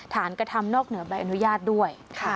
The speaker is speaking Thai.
กระทำนอกเหนือใบอนุญาตด้วย